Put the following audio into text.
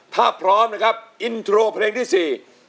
ถ้าพร้อมนะครับอินโทรเพลงที่สี่